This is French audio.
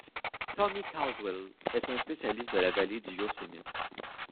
Tommy Caldwell est un spécialiste de la vallée du Yosemite.